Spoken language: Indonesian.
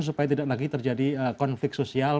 supaya tidak lagi terjadi konflik sosial